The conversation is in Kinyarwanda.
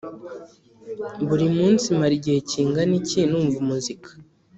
Buri munsi mara igihe kingana iki numva umuzika